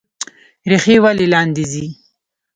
ریښې ولې لاندې ځي؟